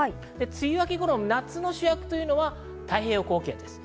梅雨明け頃、夏の主役というのは太平洋高気圧なんです。